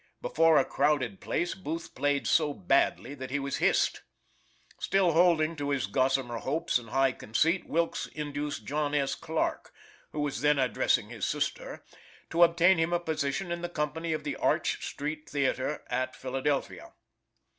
Before a crowded place, Booth played so badly that he was hissed. Still holding to his gossamer hopes and high conceit, Wilkes induced John S. Clarke, who was then addressing his sister, to obtain him a position in the company of the Arch Street Theater at Philadelphia.